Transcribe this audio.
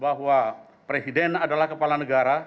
bahwa presiden adalah kepala negara